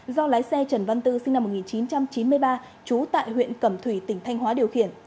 do lái xe trần văn tư sinh năm một nghìn chín trăm chín mươi ba trú tại huyện cẩm thủy tỉnh thanh hóa điều khiển